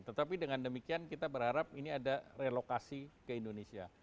tetapi dengan demikian kita berharap ini ada relokasi ke indonesia